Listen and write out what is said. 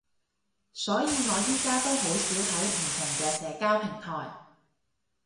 所以我而家都好少睇唔同嘅社交平台